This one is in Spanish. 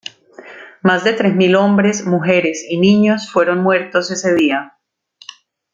Más de tres mil hombres, mujeres y niños fueron muertos ese día.".